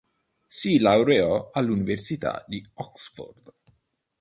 Si laureò all'Università di Oxford.